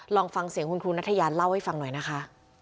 ลองฟังเสียงคุณครูนัทยาเล่าให้ฟังหน่อยนะคะ